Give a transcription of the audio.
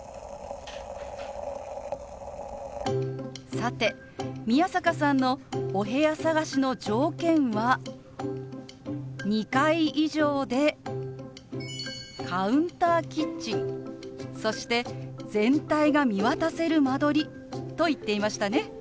さて宮坂さんのお部屋探しの条件は２階以上でカウンターキッチンそして全体が見渡せる間取りと言っていましたね。